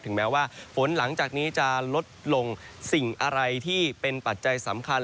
แม้ว่าฝนหลังจากนี้จะลดลงสิ่งอะไรที่เป็นปัจจัยสำคัญ